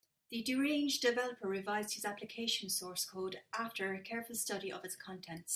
The deranged developer revised his application source code after a careful study of its contents.